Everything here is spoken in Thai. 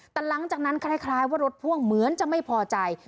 แต่หลังจากนั้นคล้ายว่ารถพ่วงเหมือนจะไม่พอใจ